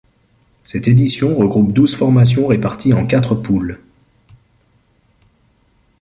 Cette édition regroupe douze formations réparties en quatre poules.